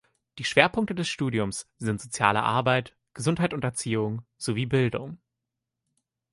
Die Schwerpunkte des Studiums sind Soziale Arbeit, Gesundheit und Erziehung sowie Bildung.